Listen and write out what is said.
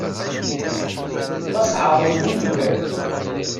Ɣas ɛreḍ-d win tebɣiḍ.